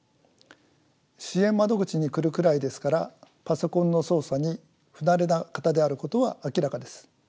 支援窓口に来るくらいですからパソコンの操作に不慣れな方であることは明らかです。